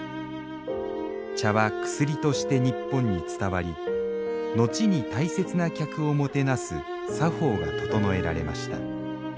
茶は薬として日本に伝わり後に大切な客をもてなす作法が整えられました。